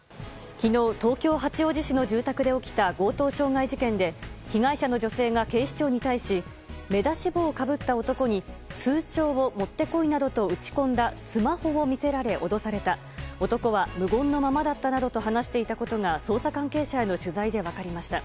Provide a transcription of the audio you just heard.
昨日、東京・八王子市の住宅で起きた強盗傷害事件で被害者の女性が警視庁に対し目出し帽をかぶった男に通帳を持ってこいなどと打ち込んだスマホを見せられ脅された男は無言のままだったなどと話していたことが捜査関係者への取材で分かりました。